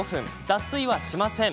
脱水はしません。